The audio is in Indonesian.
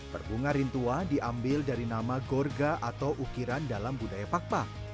perbunga rintua diambil dari nama gorga atau ukiran dalam budaya pakpak